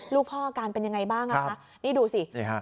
ลูกพ่ออาการเป็นยังไงบ้างอ่ะคะนี่ดูสิ